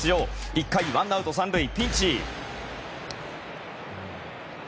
１回、ワンアウト３塁のピンチ。